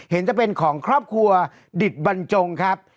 เห็นจะเป็นของครอบครัวดิตบรรจงครับ